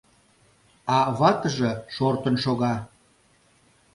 А ватыже шортын шога.